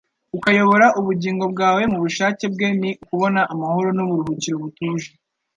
ukayobora ubugingo bwawe mu bushake bwe ni ukubona amahoro n'uburuhukiro butuje.